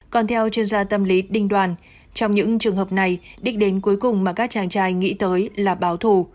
còn theo chuyên gia tâm lý đinh đoàn trong những trường hợp này đích đến cuối cùng mà các chàng trai nghĩ tới là báo thù